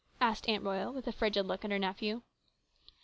" asked Aunt Royal with a frigid look at her nephew.